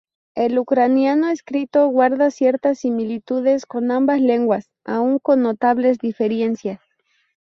El ucraniano escrito guarda ciertas similitudes con ambas lenguas, aun con notables diferencias.